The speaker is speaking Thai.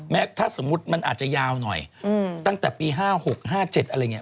ถ้าสมมุติมันอาจจะยาวหน่อยตั้งแต่ปี๕๖๕๗อะไรอย่างนี้